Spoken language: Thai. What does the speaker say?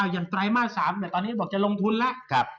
ดูไตมาส๓ก็จะลงทุนแล้ว